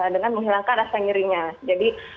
dengan menghilangkan rasa nyerinya jadi